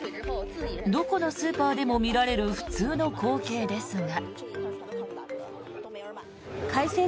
どこのスーパーでも見られる普通の光景ですが。